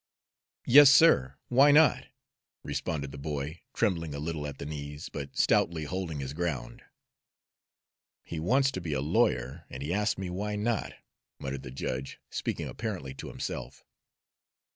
"Yes, sir. Why not?" responded the boy, trembling a little at the knees, but stoutly holding his ground. "He wants to be a lawyer, and he asks me why not!" muttered the judge, speaking apparently to himself.